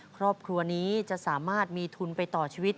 ครอบครัวนี้จะสามารถมีทุนไปต่อชีวิต